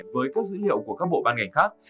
với các dữ liệu của các bộ ban ngành khác